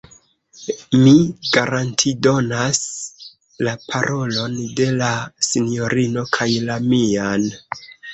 Mi garantidonas la parolon de la sinjorino kaj la mian.